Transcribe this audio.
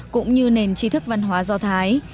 cũng như nền chi thức văn hóa do thái